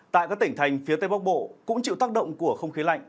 tại các tỉnh thành phía tây bắc bộ cũng chịu tác động của không khí lạnh